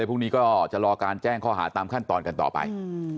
พรุ่งนี้ก็จะรอการแจ้งข้อหาตามขั้นตอนกันต่อไป